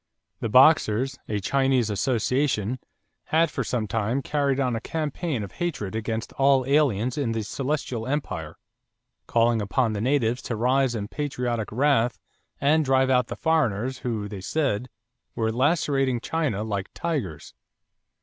The Boxers, a Chinese association, had for some time carried on a campaign of hatred against all aliens in the Celestial empire, calling upon the natives to rise in patriotic wrath and drive out the foreigners who, they said, "were lacerating China like tigers."